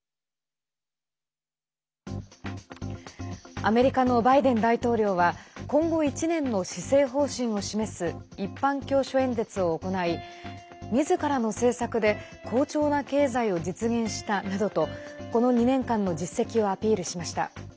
アメリカのバイデン大統領は今後１年の施政方針を示す一般教書演説を行いみずからの政策で好調な経済を実現したなどとこの２年間の実績をアピールしました。